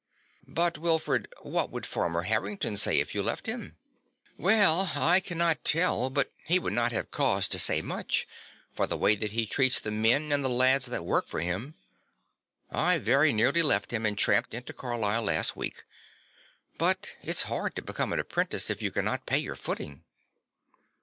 "But, Wilfred, what would Farmer Harrington say if you left him?" "Well, I cannot tell but he would not have cause to say much, for the way that he treats the men and the lads that work for him. I very nearly left him and tramped into Carlisle last week; but it's hard to become an apprentice if you cannot pay your footing."